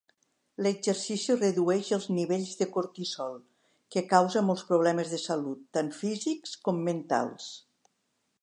L'exercici redueix els nivells de cortisol, que causa molts problemes de salut, tant físics com mentals.